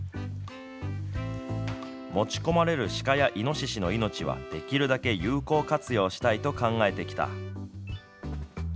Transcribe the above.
持ち込まれる鹿やいのししの命はできるだけ有効活用したいと考えてきた。